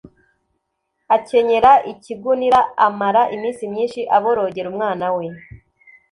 akenyera ikigunira amara iminsi myinshi aborogera umwana we